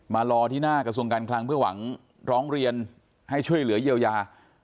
รอที่หน้ากระทรวงการคลังเพื่อหวังร้องเรียนให้ช่วยเหลือเยียวยา